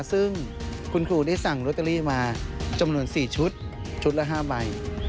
ซึ่งคุณครูได้สั่งลอตเตอรี่มาจำนวน๔ชุดชุดละ๕ใบ